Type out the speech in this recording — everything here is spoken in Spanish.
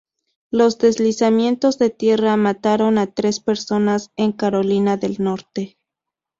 Los deslizamientos de tierra mataron a tres personas en Carolina del Norte.